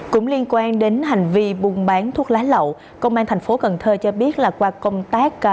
cũng liên quan đến hành vi buôn bán thuốc lá lậu công an thành phố cần thơ cho biết là qua công tác